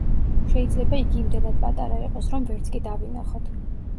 შეიძლება იგი იმდენად პატარა იყოს რომ ვერც კი დავინახოთ.